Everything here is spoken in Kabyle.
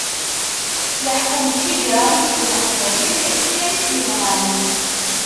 Leḥkem n tfidiralit d Leqbayel kan i t-yebɣan.